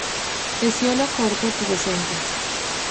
Pecíolo corto, pubescente.